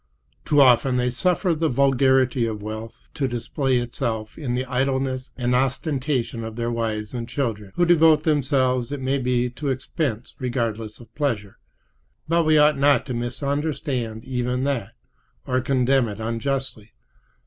Too often they suffer the vulgarity of wealth to display itself in the idleness and ostentation of their wives and children, who "devote themselves," it may be, "to expense regardless of pleasure"; but we ought not to misunderstand even that, or condemn it unjustly.